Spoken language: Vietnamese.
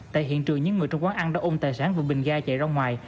tại hiện trường những người trong quán ăn đã ôn tài sản vụ bình ga chạy ra ngoài